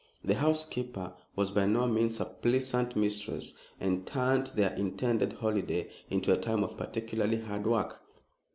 The housekeeper was by no means a pleasant mistress, and turned their intended holiday into a time of particularly hard work.